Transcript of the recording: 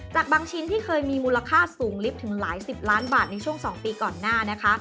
จากบางชิ้นที่เคยมีมูลค่าสูงลิฟต์ถึงหลายสิบล้านบาทในช่วง๒ปีก่อนหน้านะคะ